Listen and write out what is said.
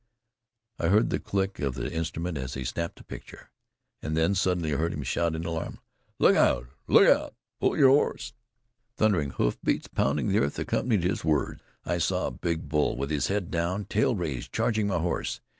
I heard the click of the instrument as he snapped a picture, and then suddenly heard him shout in alarm: "Look out! look out! pull your horse!" Thundering hoof beats pounding the earth accompanied his words. I saw a big bull, with head down, tail raised, charging my horse.